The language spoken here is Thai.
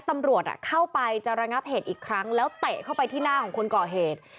ตำรวจเข้าไปจะระงับเหตุอีกครั้งแล้วเตะเข้าไปที่หน้าของคนก่อเหตุ